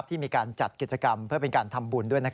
ที่จัดกิจกรรมเป็นการทำบุญด้วย